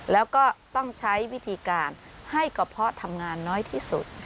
แล้วก็ต้องใช้วิธีการให้กระเพาะทำงานน้อยที่สุด